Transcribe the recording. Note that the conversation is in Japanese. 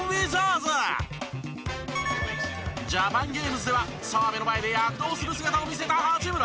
ジャパンゲームズでは澤部の前で躍動する姿を見せた八村。